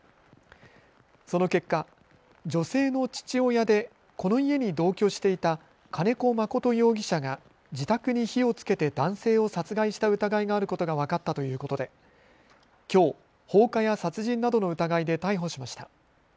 その結果、女性の父親でこの家に同居していた金子誠容疑者が自宅に火をつけて男性を殺害した疑いがあることが分かったということできょう、放火や殺人などの疑いで逮捕しました。